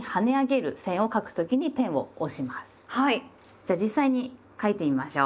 じゃあ実際に書いてみましょう。